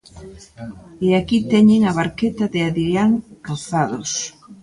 E aquí teñen a barqueta de Adrián Rozados.